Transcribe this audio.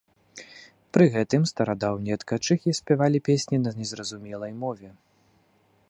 Пры гэтым старадаўнія ткачыхі спявалі песні на незразумелай мове.